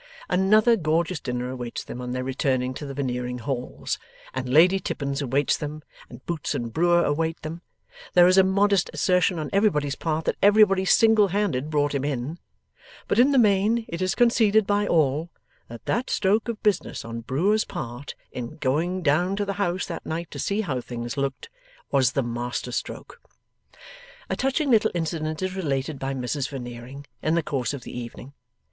Another gorgeous dinner awaits them on their return to the Veneering halls, and Lady Tippins awaits them, and Boots and Brewer await them. There is a modest assertion on everybody's part that everybody single handed 'brought him in'; but in the main it is conceded by all, that that stroke of business on Brewer's part, in going down to the house that night to see how things looked, was the master stroke. A touching little incident is related by Mrs Veneering, in the course of the evening.